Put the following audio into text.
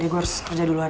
gue harus kerja deh